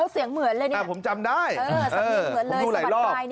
เสียงเหมือนเลยผมจำได้